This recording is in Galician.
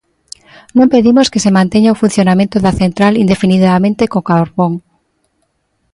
Non pedimos que se manteña o funcionamento da central indefinidamente co carbón.